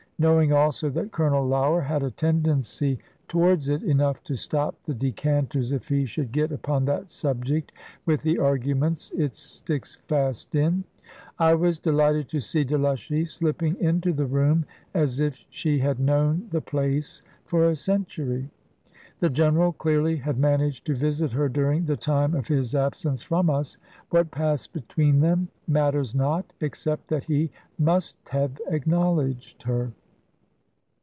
Knowing also that Colonel Lougher had a tendency towards it (enough to stop the decanters if he should get upon that subject with the arguments it sticks fast in), I was delighted to see Delushy slipping into the room as if she had known the place for a century. The General clearly had managed to visit her during the time of his absence from us; what passed between them matters not, except that he must have acknowledged her.